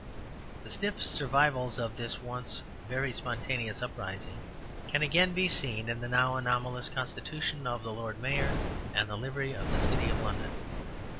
The stiff survivals of this once very spontaneous uprising can again be seen in the now anomalous constitution of the Lord Mayor and the Livery of the City of London.